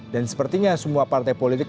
dan sepertinya semua partai politik